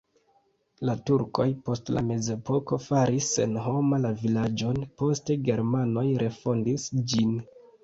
La turkoj post la mezepoko faris senhoma la vilaĝon, poste germanoj refondis ĝin.